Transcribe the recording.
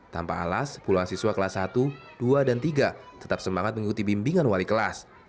tanpa alas puluhan siswa kelas satu dua dan tiga tetap semangat mengikuti bimbingan wali kelas